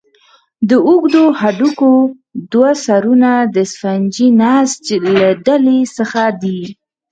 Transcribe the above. د اوږدو هډوکو دوه سرونه د سفنجي نسج له ډلې څخه دي.